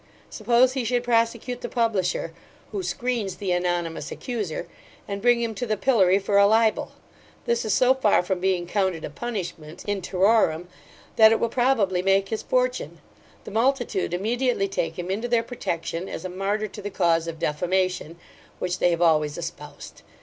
Suppose he should prosecute the publisher, who screens the anonymous accuser, and bring him to the pillory for a libel; this is so far from being counted a punishment, in terrorem, that it will probably make his fortune. The multitude immediately take him into their protection, as a martyr to the cause of defamation, which they have always espoused.